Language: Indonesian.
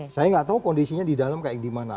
saya nggak tahu kondisinya di dalam kayak di mana